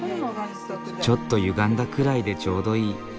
ちょっとゆがんだくらいでちょうどいい。